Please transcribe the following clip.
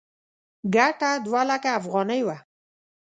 ګټه دوه لکه افغانۍ وه.